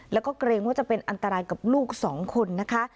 แล้วก็เกรงว่าจะเป็นอันตรายกับลูกสองคนนะคะ